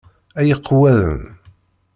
Ay iqewwaden!